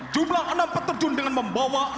jumlah enam peterjun dengan membawa